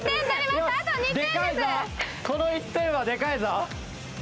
この１点はでかいぞ。